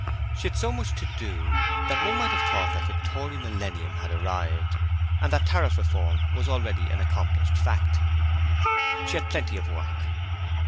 She had so much to do that one might have thought that the Tory Millennium had arrived, and that Tariff Reform was already an accomplished fact. She had Plenty of Work.